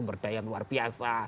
sumber daya yang luar biasa